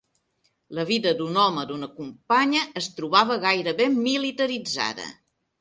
La vida d'un home d'una companya es trobava gairebé militaritzada.